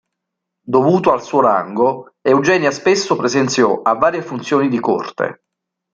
Dovuto al suo rango, Eugenia spesso presenziò a varie funzioni di corte.